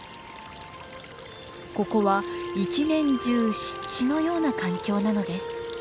ここは一年中湿地のような環境なのです。